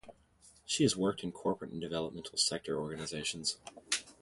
She has worked in corporate and development sector organizations.